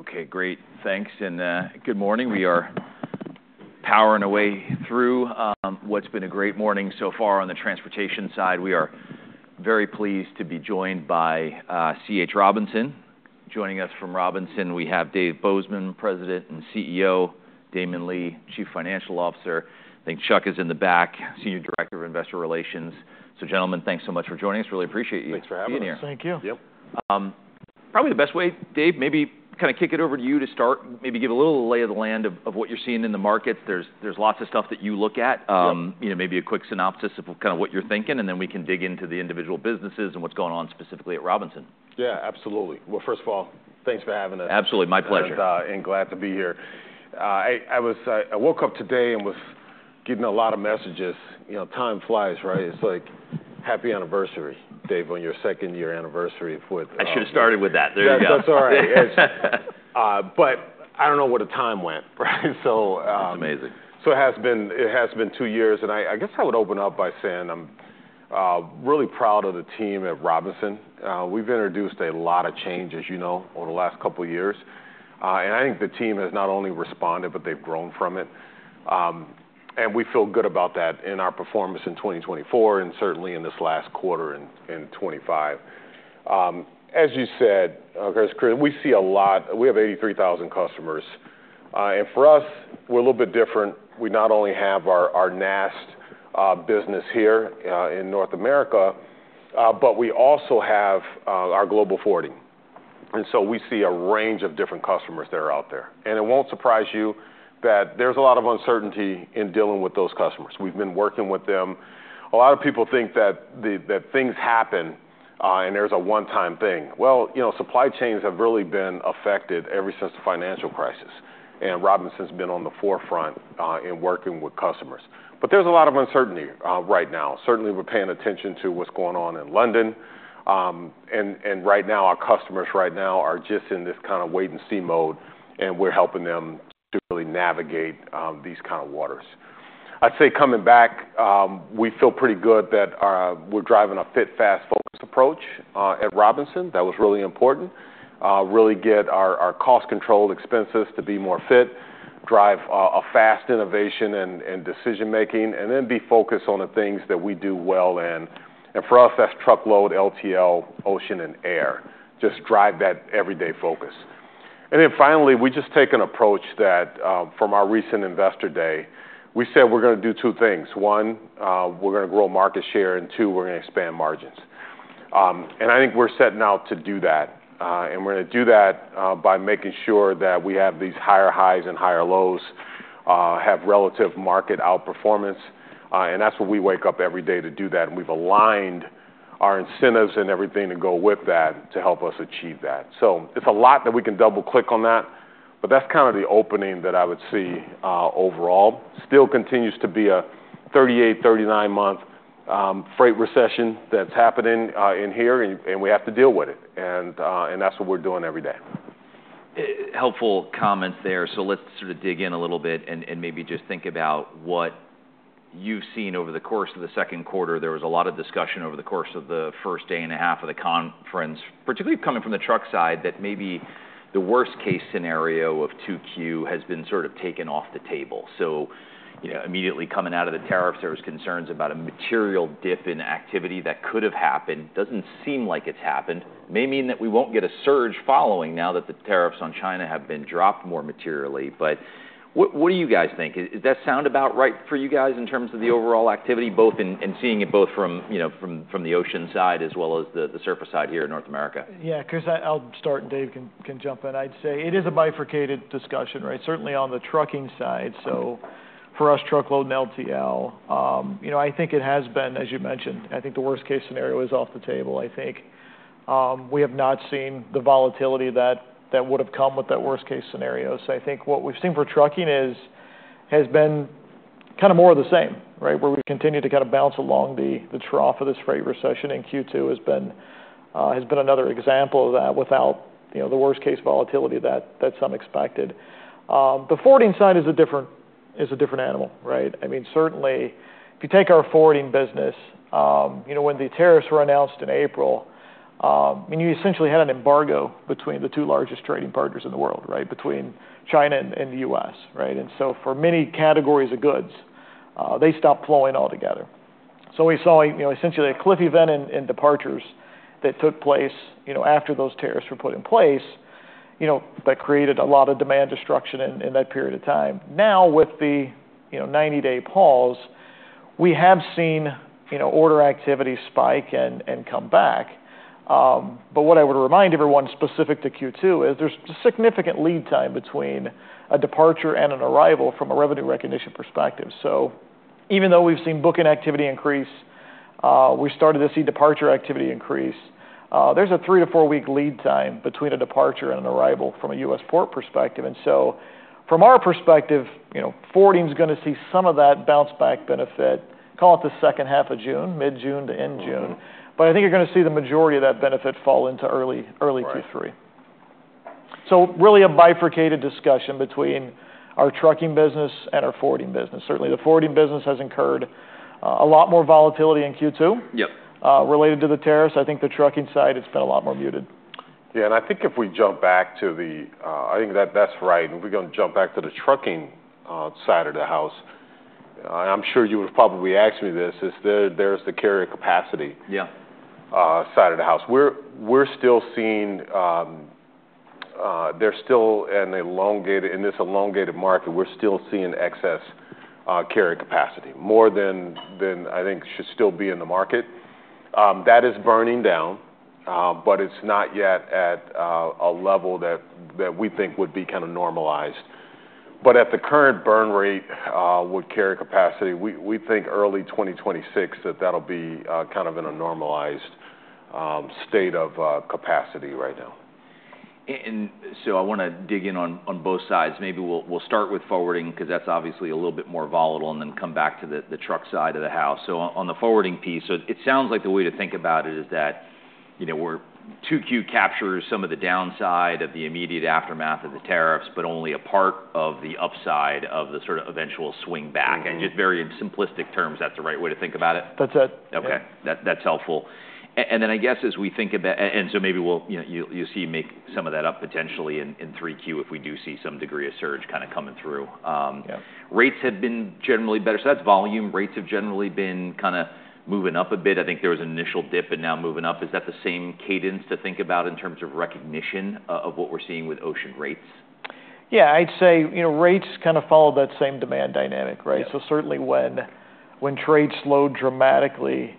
Okay, great. Thanks. Good morning. We are powering away through what's been a great morning so far on the transportation side. We are very pleased to be joined by C.H. Robinson. Joining us from Robinson, we have David Bozeman, President and CEO, Damon Lee, Chief Financial Officer. I think Chuck is in the back, Senior Director of Investor Relations. Gentlemen, thanks so much for joining us. Really appreciate you being here. Thanks for having us. Thank you. Yep. Probably the best way, Dave, maybe kind of kick it over to you to start, maybe give a little lay of the land of what you're seeing in the markets. There's lots of stuff that you look at. You know, maybe a quick synopsis of kind of what you're thinking, and then we can dig into the individual businesses and what's going on specifically at Robinson. Yeah, absolutely. First of all, thanks for having us. Absolutely. My pleasure. Glad to be here. I was, I woke up today and was getting a lot of messages. You know, time flies, right? It's like, happy anniversary, Dave, on your second-year anniversary with, I should have started with that. There you go. Yeah, that's all right. I don't know where the time went, right? So, That's amazing. It has been two years. I guess I would open up by saying I'm really proud of the team at Robinson. We've introduced a lot of changes over the last couple of years, and I think the team has not only responded, but they've grown from it. We feel good about that in our performance in 2024 and certainly in this last quarter in 2025. As you said, Chris, we see a lot. We have 83,000 customers, and for us, we're a little bit different. We not only have our NAST business here in North America, but we also have our global forwarding. We see a range of different customers that are out there, and it won't surprise you that there's a lot of uncertainty in dealing with those customers. We've been working with them. A lot of people think that things happen, and there's a one-time thing. You know, supply chains have really been affected ever since the financial crisis. And Robinson's been on the forefront, in working with customers. There's a lot of uncertainty right now. Certainly, we're paying attention to what's going on in London, and right now, our customers right now are just in this kind of wait-and-see mode, and we're helping them to really navigate these kind of waters. I'd say coming back, we feel pretty good that we're driving a fit, fast-focused approach at Robinson. That was really important, really get our cost-controlled expenses to be more fit, drive a fast innovation and decision-making, and then be focused on the things that we do well in. For us, that's truckload, LTL, ocean, and air. Just drive that everyday focus. Finally, we just take an approach that, from our recent investor day, we said we're gonna do two things. One, we're gonna grow market share. Two, we're gonna expand margins. I think we're setting out to do that. We're gonna do that by making sure that we have these higher highs and higher lows, have relative market outperformance. That's what we wake up every day to do. We've aligned our incentives and everything to go with that to help us achieve that. There's a lot that we can double-click on, but that's kind of the opening that I would see, overall. Still continues to be a 38-39 month freight recession that's happening in here, and we have to deal with it. That's what we're doing every day. Helpful comments there. Let's sort of dig in a little bit and maybe just think about what you've seen over the course of the second quarter. There was a lot of discussion over the course of the first day and a half of the conference, particularly coming from the truck side, that maybe the worst-case scenario of 2Q has been sort of taken off the table. You know, immediately coming out of the tariffs, there were concerns about a material dip in activity that could have happened. Doesn't seem like it's happened. It may mean that we won't get a surge following now that the tariffs on China have been dropped more materially. What do you guys think? Is that sound about right for you guys in terms of the overall activity, both in seeing it both from the ocean side as well as the surface side here in North America? Yeah, Chris, I, I'll start, and Dave can, can jump in. I'd say it is a bifurcated discussion, right? Certainly on the trucking side. For us, truckload and LTL, you know, I think it has been, as you mentioned, I think the worst-case scenario is off the table. I think we have not seen the volatility that would have come with that worst-case scenario. I think what we've seen for trucking has been kind of more of the same, right? Where we've continued to kind of bounce along the trough of this freight recession in Q2 has been another example of that without the worst-case volatility that some expected. The forwarding side is a different, is a different animal, right? I mean, certainly, if you take our forwarding business, you know, when the tariffs were announced in April, I mean, you essentially had an embargo between the two largest trading partners in the world, right? Between China and, and the U.S., right? And so for many categories of goods, they stopped flowing altogether. So we saw, you know, essentially a cliff event in departures that took place, you know, after those tariffs were put in place, you know, that created a lot of demand destruction in that period of time. Now, with the, you know, 90-day pause, we have seen, you know, order activity spike and come back. What I would remind everyone specific to Q2 is there's significant lead time between a departure and an arrival from a revenue recognition perspective. Even though we've seen booking activity increase, we started to see departure activity increase, there's a three to four-week lead time between a departure and an arrival from a U.S. port perspective. From our perspective, you know, forwarding's gonna see some of that bounce-back benefit, call it the second half of June, mid-June to end June. I think you're gonna see the majority of that benefit fall into early, early Q3. Right. Really a bifurcated discussion between our trucking business and our forwarding business. Certainly, the forwarding business has incurred a lot more volatility in Q2. Yep. related to the tariffs. I think the trucking side has been a lot more muted. Yeah. I think if we jump back to the, I think that that's right. We're gonna jump back to the trucking side of the house, and I'm sure you would have probably asked me this, is there, there's the carrier capacity. Yeah. We're still seeing, there's still an elongated, in this elongated market, we're still seeing excess carrier capacity more than I think should still be in the market. That is burning down, but it's not yet at a level that we think would be kind of normalized. At the current burn rate, with carrier capacity, we think early 2026 that that'll be kind of in a normalized state of capacity right now. I wanna dig in on both sides. Maybe we'll start with forwarding 'cause that's obviously a little bit more volatile and then come back to the truck side of the house. On the forwarding piece, it sounds like the way to think about it is that, you know, 2Q captures some of the downside of the immediate aftermath of the tariffs, but only a part of the upside of the sort of eventual swing back. In just very simplistic terms, that's the right way to think about it. That's it. Okay. That, that's helpful. And then I guess as we think about, and so maybe we'll, you know, you see make some of that up potentially in 3Q if we do see some degree of surge kind of coming through. Yeah. Rates have been generally better. That's volume. Rates have generally been kind of moving up a bit. I think there was an initial dip and now moving up. Is that the same cadence to think about in terms of recognition, of what we're seeing with ocean rates? Yeah. I'd say, you know, rates kind of follow that same demand dynamic, right? Certainly when trades slowed dramatically,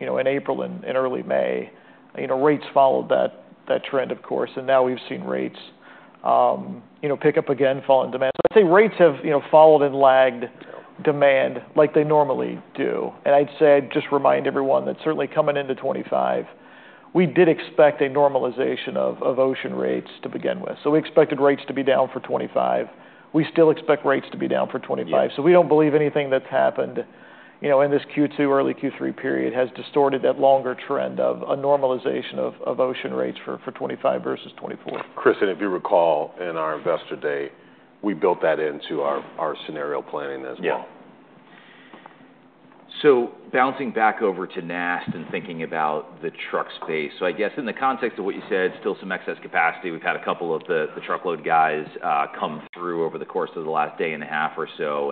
you know, in April and early May, you know, rates followed that trend, of course. Now we've seen rates, you know, pick up again, fall in demand. I'd say rates have, you know, followed and lagged demand like they normally do. I'd just remind everyone that certainly coming into 2025, we did expect a normalization of ocean rates to begin with. We expected rates to be down for 2025. We still expect rates to be down for 2025. We don't believe anything that's happened, you know, in this Q2, early Q3 period has distorted that longer trend of a normalization of ocean rates for 2025 versus 2024. Chris, and if you recall, in our investor day, we built that into our scenario planning as well. Yeah. Bouncing back over to NAST and thinking about the truck space. I guess in the context of what you said, still some excess capacity. We've had a couple of the truckload guys come through over the course of the last day and a half or so.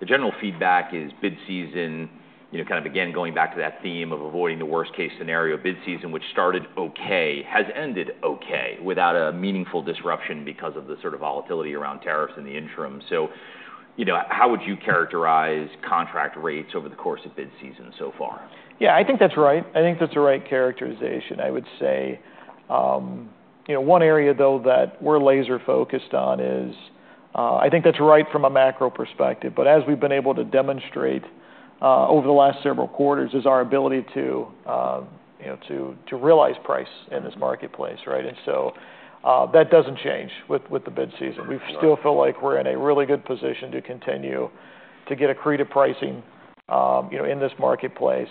The general feedback is bid season, you know, kind of again going back to that theme of avoiding the worst-case scenario, bid season, which started okay, has ended okay without a meaningful disruption because of the sort of volatility around tariffs in the interim. You know, how would you characterize contract rates over the course of bid season so far? Yeah, I think that's right. I think that's the right characterization. I would say, you know, one area though that we're laser-focused on is, I think that's right from a macro perspective. But as we've been able to demonstrate over the last several quarters is our ability to, you know, to realize price in this marketplace, right? And so, that doesn't change with the bid season. We still feel like we're in a really good position to continue to get accretive pricing, you know, in this marketplace.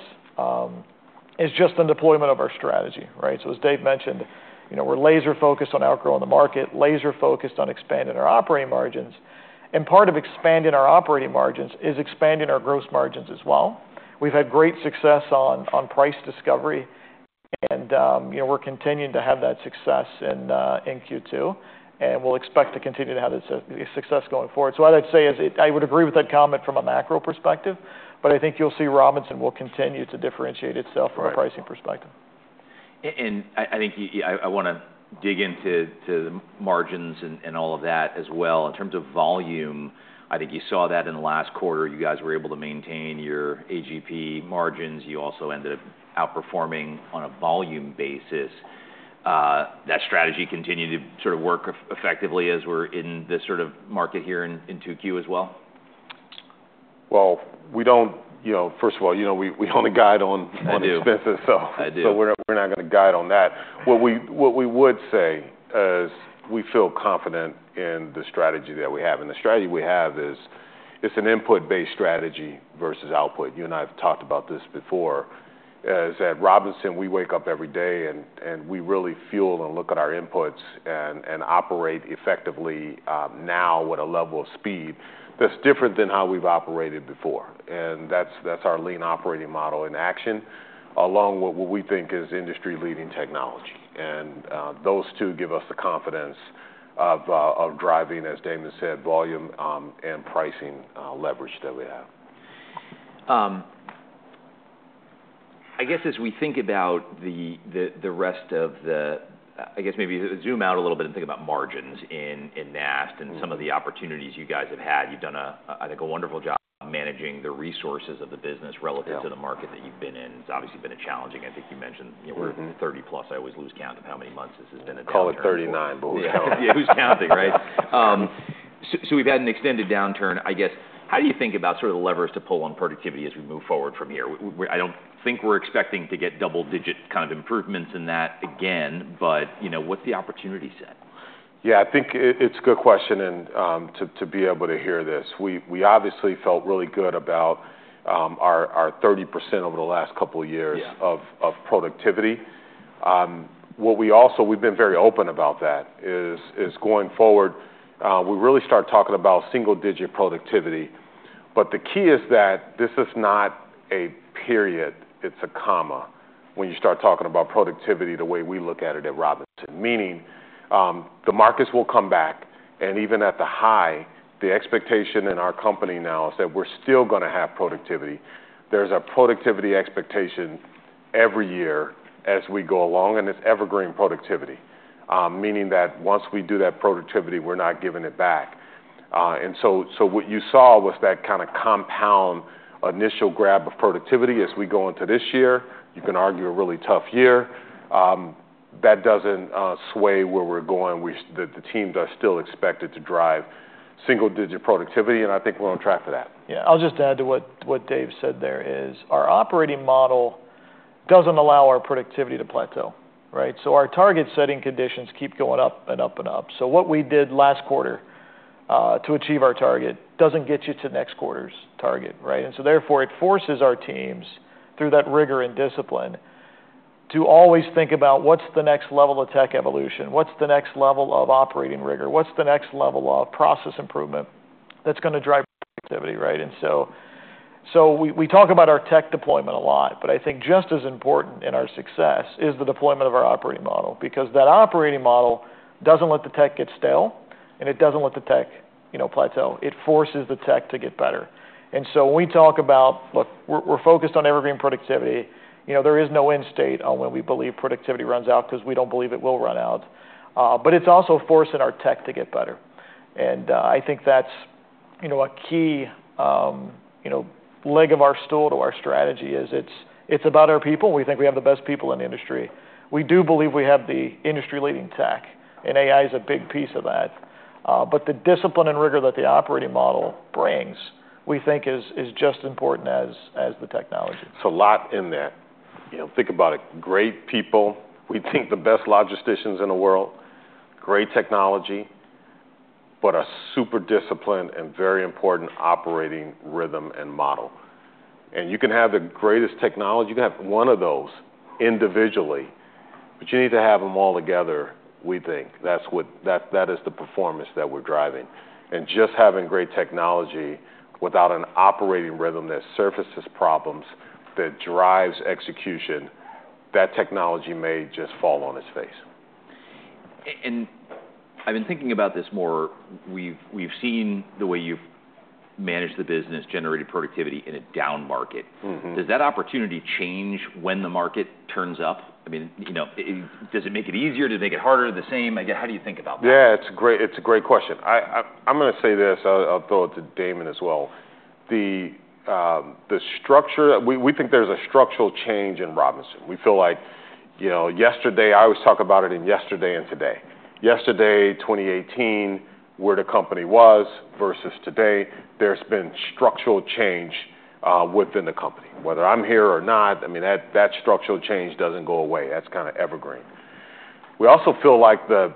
It's just a deployment of our strategy, right? As Dave mentioned, you know, we're laser-focused on outgrowing the market, laser-focused on expanding our operating margins. And part of expanding our operating margins is expanding our gross margins as well. We've had great success on price discovery. And, you know, we're continuing to have that success in Q2. We expect to continue to have that success going forward. What I'd say is I would agree with that comment from a macro perspective, but I think you'll see Robinson will continue to differentiate itself from a pricing perspective. I think you, I wanna dig into the margins and all of that as well. In terms of volume, I think you saw that in the last quarter, you guys were able to maintain your AGP margins. You also ended up outperforming on a volume basis. That strategy continued to sort of work effectively as we're in this sort of market here in 2Q as well? You know, first of all, you know, we do not wanna guide on, on expenses. I do. We're not gonna guide on that. What we would say is we feel confident in the strategy that we have. The strategy we have is, it's an input-based strategy versus output. You and I have talked about this before. At Robinson, we wake up every day and we really fuel and look at our inputs and operate effectively, now with a level of speed that's different than how we've operated before. That's our lean operating model in action along with what we think is industry-leading technology. Those two give us the confidence of driving, as Damon said, volume and pricing leverage that we have. I guess as we think about the rest of the, I guess maybe zoom out a little bit and think about margins in NAST and some of the opportunities you guys have had. You've done a, I think a wonderful job managing the resources of the business relative to the market that you've been in. It's obviously been challenging. I think you mentioned, you know, we're in the 30-plus. I always lose count of how many months this has been a downturn. Call it 39, but we're counting. Yeah. Who's counting, right? So, we've had an extended downturn, I guess. How do you think about sort of the levers to pull on productivity as we move forward from here? We, we're, I don't think we're expecting to get double-digit kind of improvements in that again, but, you know, what's the opportunity set? Yeah, I think it's a good question. To be able to hear this, we obviously felt really good about our 30% over the last couple of years. Yeah. Of productivity. What we also, we've been very open about that is, is going forward, we really start talking about single-digit productivity. The key is that this is not a period. It's a comma when you start talking about productivity the way we look at it at Robinson. Meaning, the markets will come back. Even at the high, the expectation in our company now is that we're still gonna have productivity. There's a productivity expectation every year as we go along, and it's evergreen productivity. Meaning that once we do that productivity, we're not giving it back. What you saw was that kind of compound initial grab of productivity as we go into this year. You can argue a really tough year. That doesn't sway where we're going. The team does still expect it to drive single-digit productivity. I think we're on track for that. Yeah. I'll just add to what Dave said there is our operating model doesn't allow our productivity to plateau, right? Our target setting conditions keep going up and up and up. What we did last quarter to achieve our target doesn't get you to next quarter's target, right? Therefore, it forces our teams through that rigor and discipline to always think about what's the next level of tech evolution, what's the next level of operating rigor, what's the next level of process improvement that's gonna drive productivity, right? We talk about our tech deployment a lot, but I think just as important in our success is the deployment of our operating model because that operating model doesn't let the tech get stale, and it doesn't let the tech, you know, plateau. It forces the tech to get better. When we talk about, look, we're focused on evergreen productivity. You know, there is no end state on when we believe productivity runs out 'cause we don't believe it will run out. It's also forcing our tech to get better. I think that's a key leg of our stool to our strategy. It's about our people. We think we have the best people in the industry. We do believe we have the industry-leading tech, and AI is a big piece of that. The discipline and rigor that the operating model brings, we think is just as important as the technology. A lot in that. You know, think about it. Great people. We think the best logisticians in the world, great technology, but a super disciplined and very important operating rhythm and model. You can have the greatest technology, you can have one of those individually, but you need to have 'em all together, we think. That is the performance that we're driving. Just having great technology without an operating rhythm that surfaces problems, that drives execution, that technology may just fall on its face. I've been thinking about this more. We've seen the way you've managed the business, generated productivity in a down market. Mm-hmm. Does that opportunity change when the market turns up? I mean, you know, does it make it easier? Does it make it harder? The same? I guess, how do you think about that? Yeah, it's a great, it's a great question. I, I, I'm gonna say this. I'll, I'll throw it to Damon as well. The structure, we think there's a structural change in Robinson. We feel like, you know, yesterday, I always talk about it in yesterday and today. Yesterday, 2018, where the company was versus today, there's been structural change, within the company. Whether I'm here or not, I mean, that structural change doesn't go away. That's kind of evergreen. We also feel like the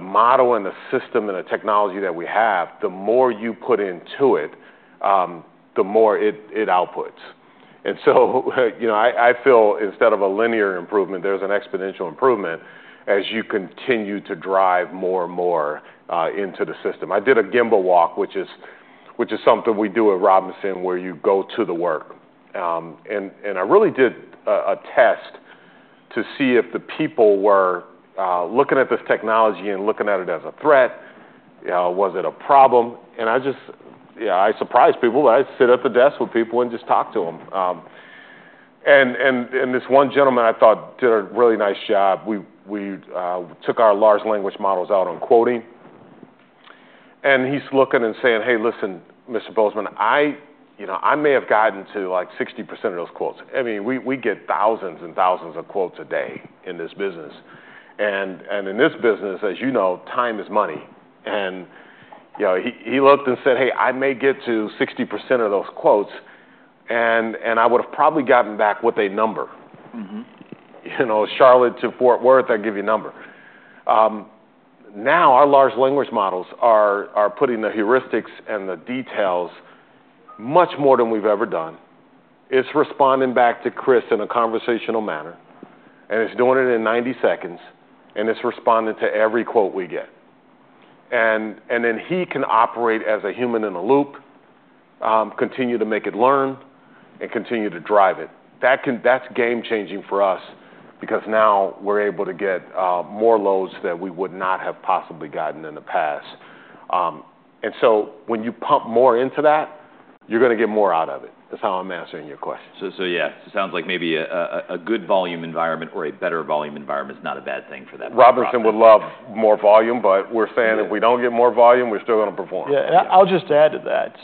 model and the system and the technology that we have, the more you put into it, the more it outputs. And you know, I feel instead of a linear improvement, there's an exponential improvement as you continue to drive more and more, into the system. I did a gemba walk, which is something we do at Robinson where you go to the work. I really did a test to see if the people were looking at this technology and looking at it as a threat. You know, was it a problem? I just, yeah, I surprised people. I sit at the desk with people and just talk to 'em. This one gentleman I thought did a really nice job. We took our large language models out on quoting, and he's looking and saying, "Hey, listen, Mr. Bozeman, I, you know, I may have gotten to like 60% of those quotes." I mean, we get thousands and thousands of quotes a day in this business. In this business, as you know, time is money. You know, he looked and said, "Hey, I may get to 60% of those quotes, and I would've probably gotten back what they number. Mm-hmm. You know, Charlotte to Fort Worth, I'd give you a number. Now our large language models are putting the heuristics and the details much more than we've ever done. It's responding back to Chris in a conversational manner, and it's doing it in 90 seconds, and it's responding to every quote we get. And then he can operate as a human in the loop, continue to make it learn and continue to drive it. That can, that's game-changing for us because now we're able to get more loads that we would not have possibly gotten in the past. And so when you pump more into that, you're gonna get more out of it. That's how I'm answering your question. Yeah, it sounds like maybe a good volume environment or a better volume environment is not a bad thing for that. Robinson would love more volume, but we're saying if we don't get more volume, we're still gonna perform. Yeah. I'll just add to that.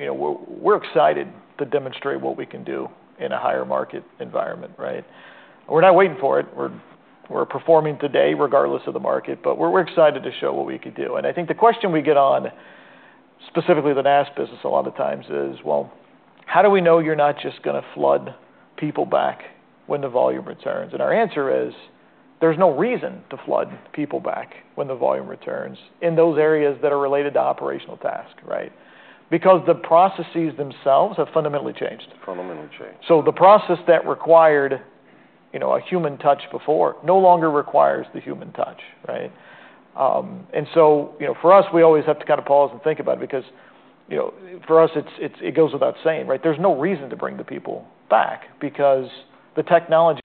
You know, we're excited to demonstrate what we can do in a higher market environment, right? We're not waiting for it. We're performing today regardless of the market, but we're excited to show what we could do. I think the question we get on specifically the NAST business a lot of times is, well, how do we know you're not just gonna flood people back when the volume returns? Our answer is there's no reason to flood people back when the volume returns in those areas that are related to operational task, right? Because the processes themselves have fundamentally changed. Fundamentally changed. The process that required, you know, a human touch before no longer requires the human touch, right? You know, for us, we always have to kind of pause and think about it because, you know, for us, it goes without saying, right? There is no reason to bring the people back because the technology.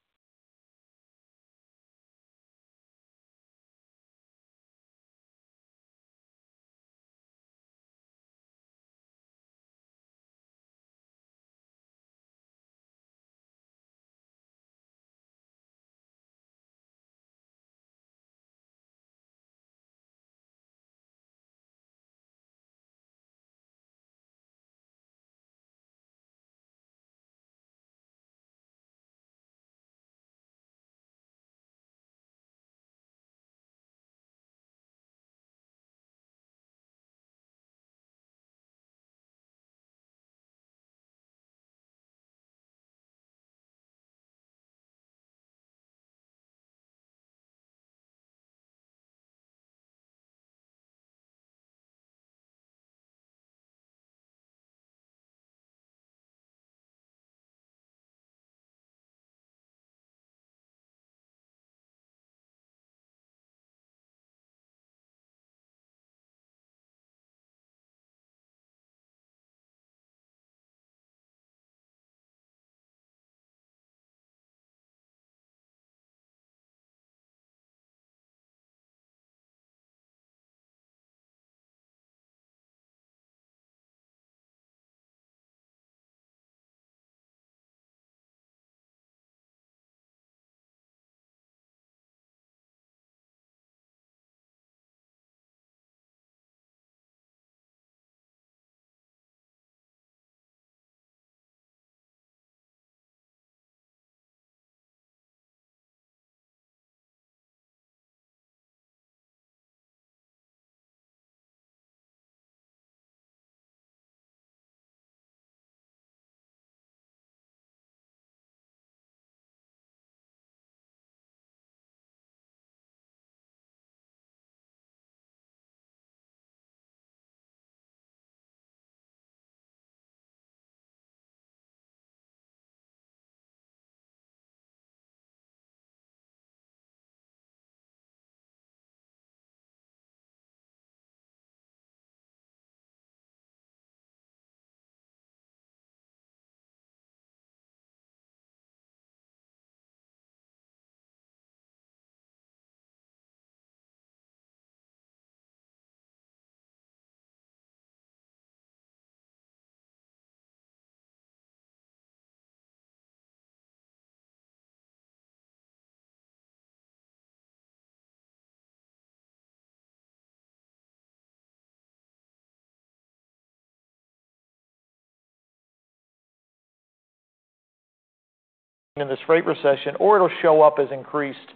In this favorite session, or it will show up as increased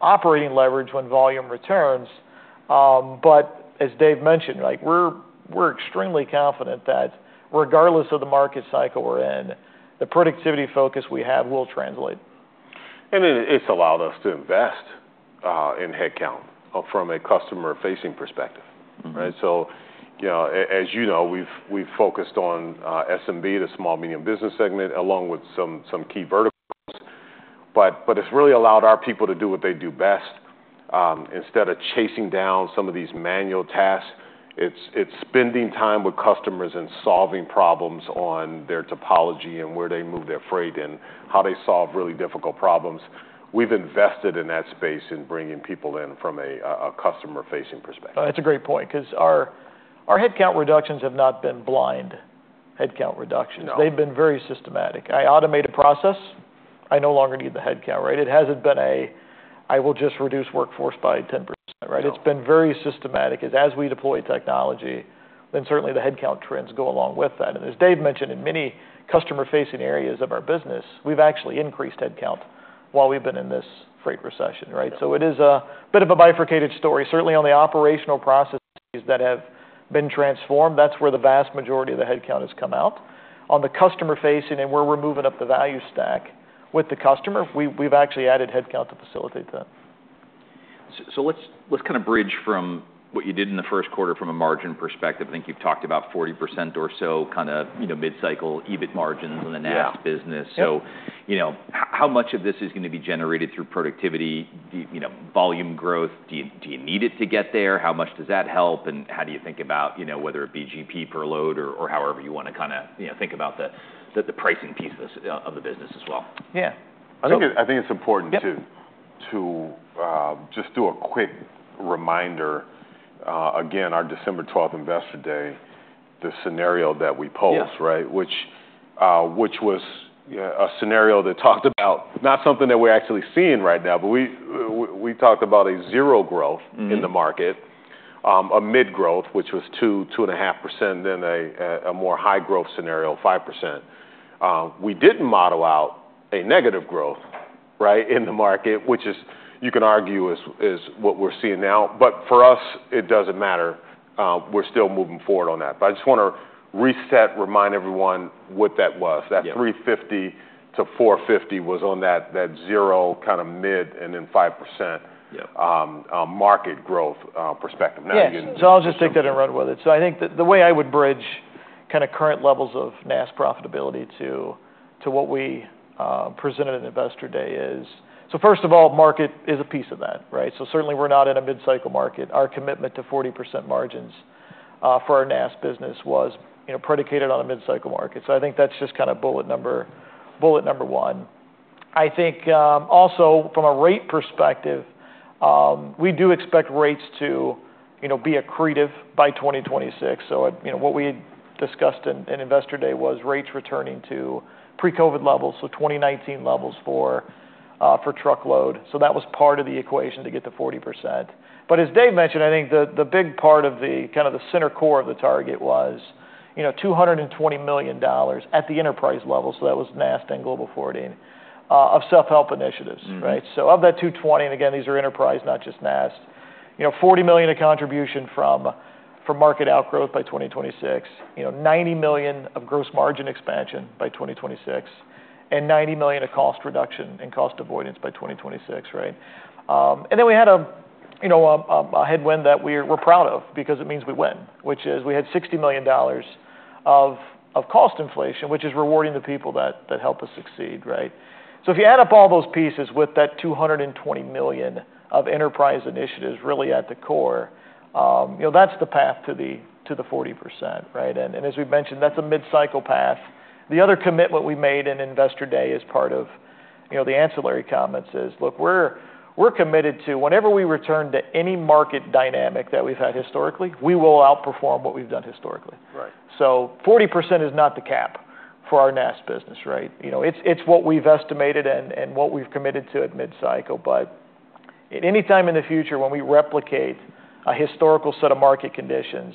operating leverage when volume returns. As Dave mentioned, right, we are extremely confident that regardless of the market cycle we are in, the productivity focus we have will translate. It, it's allowed us to invest, in headcount from a customer-facing perspective. Mm-hmm. Right? You know, as you know, we've focused on SMB, the small, medium business segment, along with some key verticals. It has really allowed our people to do what they do best. Instead of chasing down some of these manual tasks, it is spending time with customers and solving problems on their topology and where they move their freight and how they solve really difficult problems. We've invested in that space in bringing people in from a customer-facing perspective. That's a great point 'cause our headcount reductions have not been blind headcount reductions. No. They've been very systematic. I automate a process. I no longer need the headcount, right? It hasn't been a, I will just reduce workforce by 10%, right? It's been very systematic as we deploy technology, then certainly the headcount trends go along with that. As Dave mentioned, in many customer-facing areas of our business, we've actually increased headcount while we've been in this freight recession, right? It is a bit of a bifurcated story. Certainly on the operational processes that have been transformed, that's where the vast majority of the headcount has come out. On the customer-facing, and where we're moving up the value stack with the customer, we've actually added headcount to facilitate that. So, let's kind of bridge from what you did in the first quarter from a margin perspective. I think you've talked about 40% or so kind of, you know, mid-cycle EBIT margins in the NAST business. Yes. You know, how much of this is gonna be generated through productivity, you know, volume growth? Do you need it to get there? How much does that help? How do you think about, you know, whether it be GP per load or however you wanna kind of, you know, think about the pricing piece of this, of the business as well? Yeah. I think it's important too. Yeah. To, just do a quick reminder, again, our December 12 investor day, the scenario that we post. Yes. Right? Which was a scenario that talked about not something that we're actually seeing right now, but we talked about a zero growth. Mm-hmm. In the market, a mid-growth, which was 2-2.5%, then a more high-growth scenario, 5%. We did not model out a negative growth, right, in the market, which is, you can argue, is what we are seeing now. For us, it does not matter. We are still moving forward on that. I just want to reset, remind everyone what that was. Yeah. That 350-450 was on that, that zero kind of mid and then 5%. Yeah. market growth, perspective. Yes. Now you can. I'll just take that and run with it. I think that the way I would bridge kind of current levels of NAST profitability to what we presented at investor day is, first of all, market is a piece of that, right? Certainly we're not in a mid-cycle market. Our commitment to 40% margins for our NAST business was, you know, predicated on a mid-cycle market. I think that's just kind of bullet number one. I think, also from a rate perspective, we do expect rates to, you know, be accretive by 2026. What we discussed in investor day was rates returning to pre-COVID levels, so 2019 levels for truckload. That was part of the equation to get to 40%. As Dave mentioned, I think the big part of the center core of the target was, you know, $220 million at the enterprise level. That was NAST and Global Forwarding, of self-help initiatives. Mm-hmm. Right? So of that $220 million, and again, these are enterprise, not just NAST, you know, $40 million of contribution from market outgrowth by 2026, $90 million of gross margin expansion by 2026, and $90 million of cost reduction and cost avoidance by 2026, right? And then we had a headwind that we are, we're proud of because it means we win, which is we had $60 million of cost inflation, which is rewarding the people that help us succeed, right? So if you add up all those pieces with that $220 million of enterprise initiatives really at the core, you know, that's the path to the 40%, right? And, as we've mentioned, that's a mid-cycle path. The other commitment we made in investor day as part of, you know, the ancillary comments is, look, we're committed to whenever we return to any market dynamic that we've had historically, we will outperform what we've done historically. Right. Forty percent is not the cap for our NAST business, right? You know, it's what we've estimated and what we've committed to at mid-cycle. At any time in the future when we replicate a historical set of market conditions,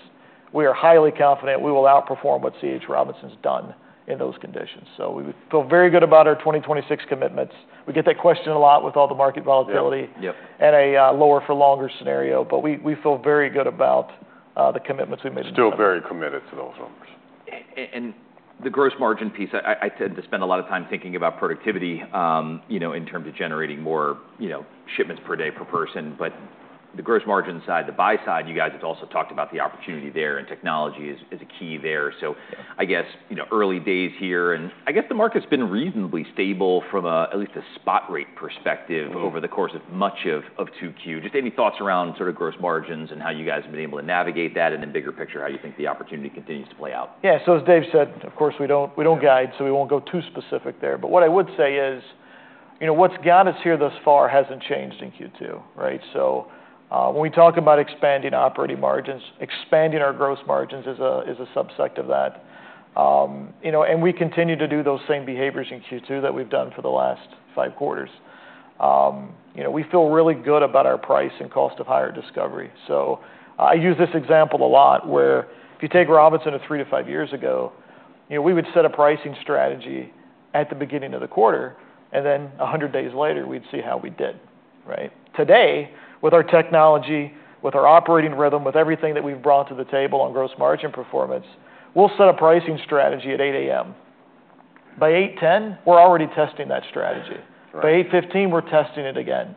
we are highly confident we will outperform what C.H. Robinson's done in those conditions. We feel very good about our 2026 commitments. We get that question a lot with all the market volatility. Yeah. Yep. A lower-for-longer scenario, but we feel very good about the commitments we made in the past. Still very committed to those numbers. And the gross margin piece, I tend to spend a lot of time thinking about productivity, you know, in terms of generating more, you know, shipments per day per person. The gross margin side, the buy side, you guys have also talked about the opportunity there and technology is a key there. Yeah. I guess, you know, early days here, and I guess the market's been reasonably stable from a, at least a spot rate perspective. Mm-hmm. Over the course of much of 2Q. Just any thoughts around sort of gross margins and how you guys have been able to navigate that and the bigger picture, how you think the opportunity continues to play out? Yeah. As Dave said, of course, we do not guide, so we will not go too specific there. What I would say is, you know, what has got us here thus far has not changed in Q2, right? When we talk about expanding operating margins, expanding our gross margins is a subsect of that, you know, and we continue to do those same behaviors in Q2 that we have done for the last five quarters. You know, we feel really good about our price and cost of hire discovery. I use this example a lot where if you take Robinson of three to five years ago, you know, we would set a pricing strategy at the beginning of the quarter, and then a hundred days later we would see how we did, right? Today, with our technology, with our operating rhythm, with everything that we've brought to the table on gross margin performance, we'll set a pricing strategy at 8:00 A.M. By 8:10, we're already testing that strategy. Right. By 8:15, we're testing it again.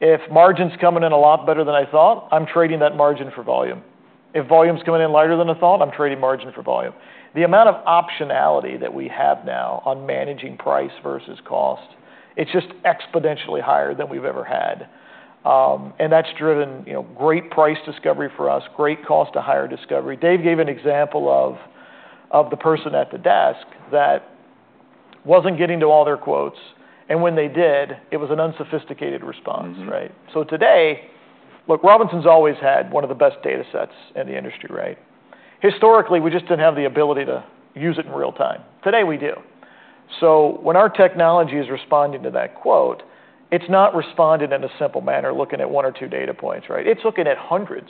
If margin's coming in a lot better than I thought, I'm trading that margin for volume. If volume's coming in lighter than I thought, I'm trading margin for volume. The amount of optionality that we have now on managing price versus cost, it's just exponentially higher than we've ever had. That's driven, you know, great price discovery for us, great cost-to-hire discovery. Dave gave an example of the person at the desk that wasn't getting to all their quotes, and when they did, it was an unsophisticated response, right? Mm-hmm. Today, look, Robinson's always had one of the best data sets in the industry, right? Historically, we just didn't have the ability to use it in real time. Today we do. When our technology is responding to that quote, it's not responding in a simple manner looking at one or two data points, right? It's looking at hundreds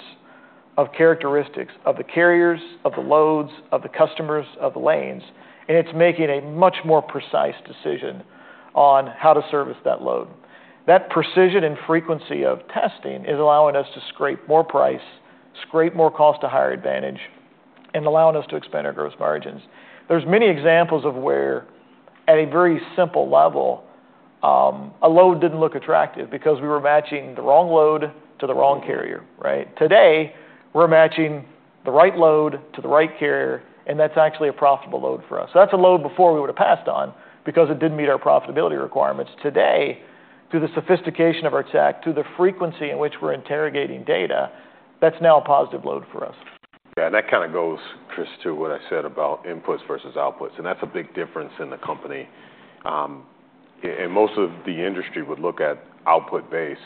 of characteristics of the carriers, of the loads, of the customers, of the lanes, and it's making a much more precise decision on how to service that load. That precision and frequency of testing is allowing us to scrape more price, scrape more cost to higher advantage, and allowing us to expand our gross margins. There's many examples of where at a very simple level, a load didn't look attractive because we were matching the wrong load to the wrong carrier, right? Today we're matching the right load to the right carrier, and that's actually a profitable load for us. That's a load before we would've passed on because it didn't meet our profitability requirements. Today, through the sophistication of our tech, through the frequency in which we're interrogating data, that's now a positive load for us. Yeah. That kind of goes, Chris, to what I said about inputs versus outputs. That is a big difference in the company. Most of the industry would look at output base,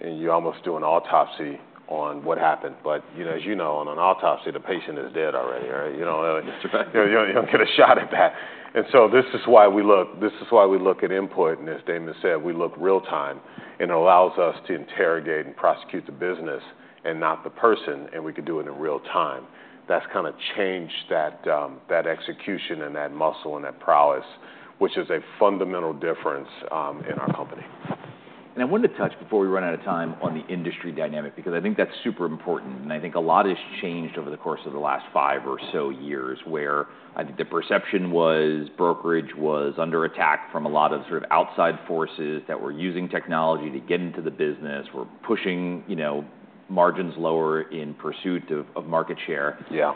and you are almost doing autopsy on what happened. You know, as you know, on an autopsy, the patient is dead already, right? You know, like. That's right. You don't get a shot at that. This is why we look, this is why we look at input, and as Damon said, we look real time, and it allows us to interrogate and prosecute the business and not the person, and we could do it in real time. That has kind of changed that execution and that muscle and that prowess, which is a fundamental difference in our company. I wanted to touch before we run out of time on the industry dynamic because I think that's super important. I think a lot has changed over the course of the last five or so years where I think the perception was brokerage was under attack from a lot of sort of outside forces that were using technology to get into the business, were pushing, you know, margins lower in pursuit of market share. Yeah.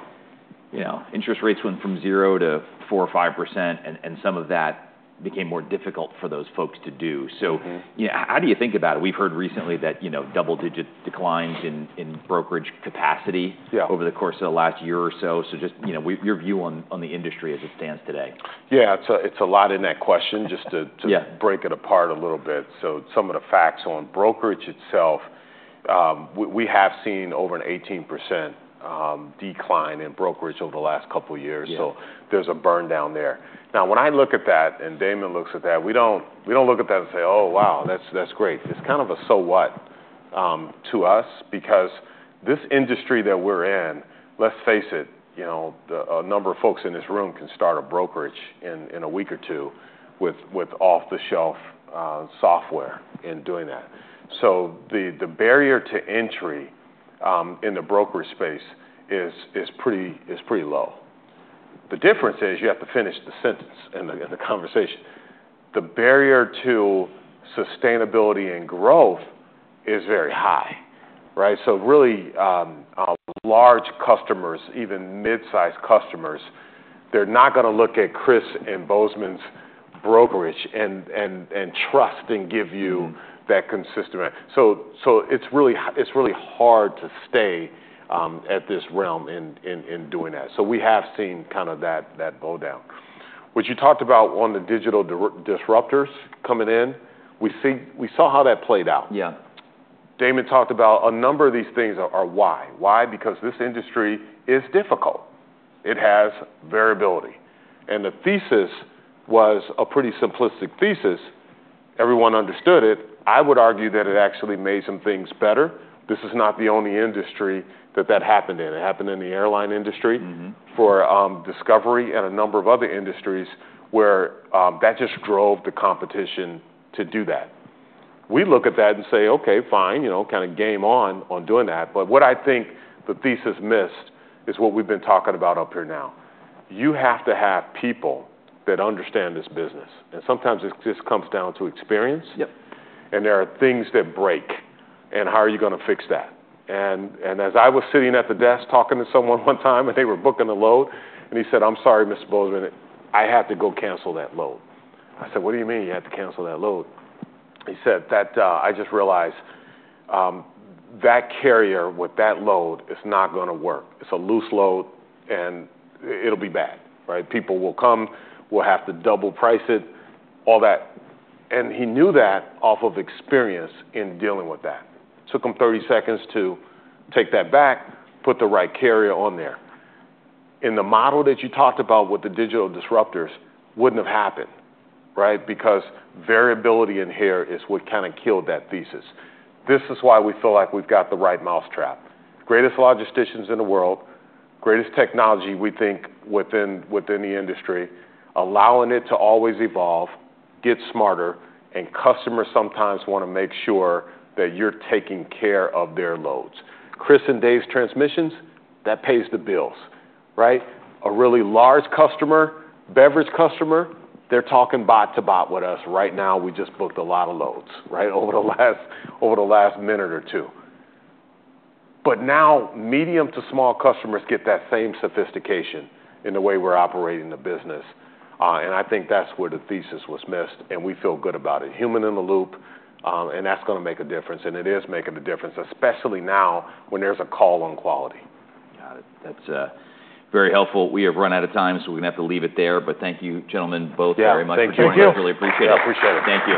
You know, interest rates went from zero to 4 or 5%, and some of that became more difficult for those folks to do. So. Mm-hmm. You know, how do you think about it? We've heard recently that, you know, double-digit declines in brokerage capacity. Yeah. Over the course of the last year or so, just, you know, your view on the industry as it stands today. Yeah. It's a, it's a lot in that question just to, to. Yeah. Break it apart a little bit. Some of the facts on brokerage itself, we have seen over an 18% decline in brokerage over the last couple of years. Yeah. There is a burn down there. Now, when I look at that and Damon looks at that, we do not look at that and say, "Oh, wow, that is great." It is kind of a so what, to us because this industry that we are in, let us face it, a number of folks in this room can start a brokerage in a week or two with off-the-shelf software in doing that. The barrier to entry in the brokerage space is pretty low. The difference is you have to finish the sentence in the conversation. The barrier to sustainability and growth is very high, right? Really, large customers, even mid-size customers, they are not going to look at Chris and Bozeman's brokerage and trust and give you that consistent rent. It's really hard to stay at this realm in doing that. We have seen kind of that bow down. What you talked about on the digital disruptors coming in, we saw how that played out. Yeah. Damon talked about a number of these things are why. Why? Because this industry is difficult. It has variability. And the thesis was a pretty simplistic thesis. Everyone understood it. I would argue that it actually made some things better. This is not the only industry that that happened in. It happened in the airline industry. Mm-hmm. For discovery and a number of other industries where that just drove the competition to do that. We look at that and say, "Okay, fine," you know, kind of game on, on doing that. What I think the thesis missed is what we've been talking about up here now. You have to have people that understand this business. And sometimes it just comes down to experience. Yep. There are things that break, and how are you gonna fix that? As I was sitting at the desk talking to someone one time and they were booking a load, and he said, "I'm sorry, Mr. Bozeman, I have to go cancel that load." I said, "What do you mean you have to cancel that load?" He said, "I just realized, that carrier with that load is not gonna work. It's a loose load and it'll be bad, right? People will come, we'll have to double price it, all that." He knew that off of experience in dealing with that. Took him 30 seconds to take that back, put the right carrier on there. In the model that you talked about with the digital disruptors, that wouldn't have happened, right? Because variability in here is what kind of killed that thesis. This is why we feel like we've got the right mousetrap. Greatest logisticians in the world, greatest technology we think within the industry, allowing it to always evolve, get smarter, and customers sometimes wanna make sure that you're taking care of their loads. Chris and Dave's transmissions, that pays the bills, right? A really large customer, beverage customer, they're talking bot to bot with us right now. We just booked a lot of loads, right, over the last minute or two. Now medium to small customers get that same sophistication in the way we're operating the business. I think that's where the thesis was missed, and we feel good about it. Human in the loop, and that's gonna make a difference. It is making a difference, especially now when there's a call on quality. Got it. That's very helpful. We have run out of time, so we're gonna have to leave it there. But thank you, gentlemen, both very much. Yeah. Thank you. For joining us. Really appreciate it. Yeah. Appreciate it. Thank you.